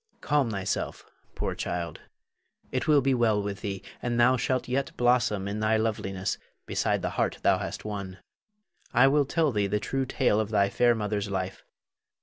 Her. Calm thyself, poor child; it will be well with thee, and thou shalt yet blossom in thy loveliness beside the heart thou hast won. I will tell thee the true tale of thy fair mother's life.